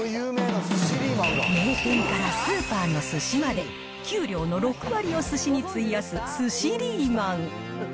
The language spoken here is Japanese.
名店からスーパーのすしまで、給料の６割をすしに費やす寿司リーマン。